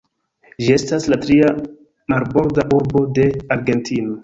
Ĝi estas la tria marborda urbo de Argentino.